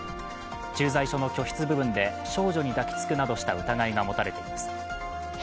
駐在所の居室部分で少女に抱きつくなどした疑いが持たれています。